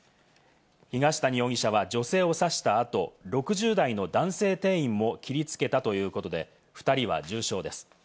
東谷容疑者は女性を刺した後、６０代の男性店員も切りつけたということで、２人は重傷です。